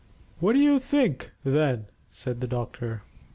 "What do you think, then?" said the doctor.